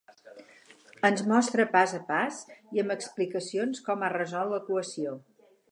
Ens mostra pas a pas i amb explicacions com ha resolt l'equació.